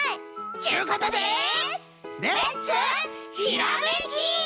っちゅうことでレッツひらめき！